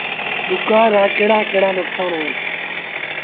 ڏُڪآر رآ ڪهڙآ ڪهڙآ نڪسآݩ اهيݩ۔